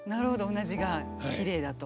うなじがきれいだと。